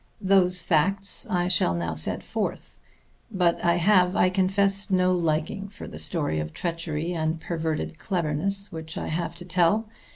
Those facts I shall now set forth. But I have, I confess, no liking for the story of treachery and perverted cleverness which I have to tell.